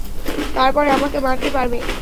তারপরে আমাকে মারতে পারবে।